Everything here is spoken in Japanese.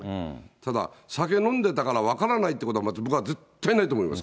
ただ酒飲んでたから分からないということは僕は絶対ないと思います。